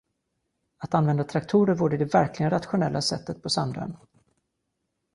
Att använda traktorer vore det verkligt rationella sättet på Sandön.